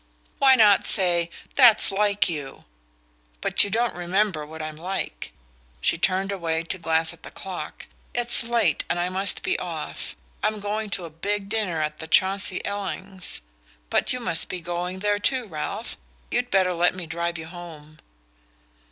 "Why not say: 'That's like you?' But you don't remember what I'm like." She turned away to glance at the clock. "It's late, and I must be off. I'm going to a big dinner at the Chauncey Ellings' but you must be going there too, Ralph? You'd better let me drive you home."